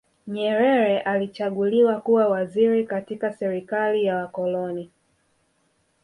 nyerere alichaguliwa kuwa waziri katika serikali ya wakoloni